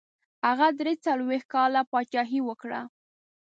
هغه دري څلوېښت کاله پاچهي وکړه.